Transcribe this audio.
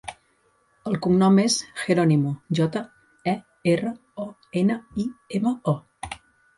El cognom és Jeronimo: jota, e, erra, o, ena, i, ema, o.